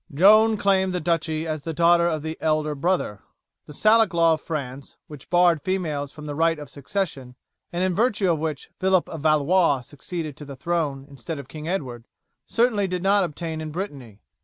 "Joan claimed the duchy as the daughter of the elder brother. The Salic law of France, which barred females from the right of succession, and in virtue of which Philip of Valois succeeded to the throne instead of King Edward, certainly did not obtain in Brittany.